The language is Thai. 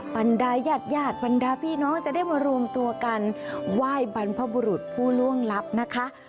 บรรดายญาติญาติบรรดาพี่น้องจะได้มารวมตัวกันไหว้บรรพบุรุษผู้ล่วงลับนะคะ